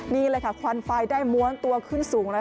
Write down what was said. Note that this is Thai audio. นี่เลยค่ะควันไฟได้ม้วนตัวขึ้นสูง